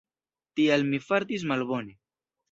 Tial mi fartis malbone.